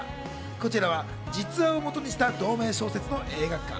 こちらは実話を基にした同名小説の映画化。